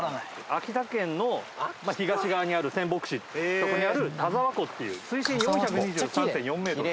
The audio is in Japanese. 秋田県の東側にある仙北市ってとこにある田沢湖っていう水深４２３．４メートル